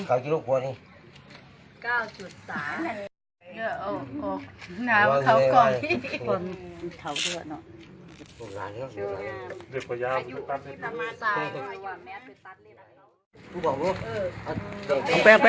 ก็ไม่เห็นเนอะ